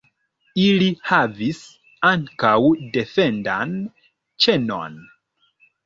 Ili havis ankaŭ defendan ĉenon.